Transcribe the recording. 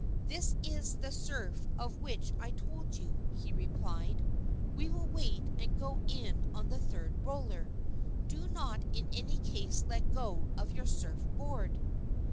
"This is the surf of which I told you," he replied; "we will wait and go in on the third roller. Do not in any case let go of your surf board."